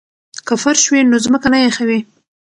که فرش وي نو ځمکه نه یخوي.